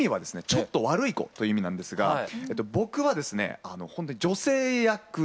「ちょっと悪い子」という意味なんですが僕はですね女性役で。